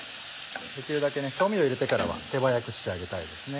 できるだけ調味料入れてからは手早く仕上げたいですね。